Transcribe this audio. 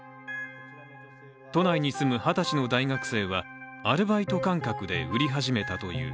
都内に住む二十歳の大学生はアルバイト感覚で売り始めたという。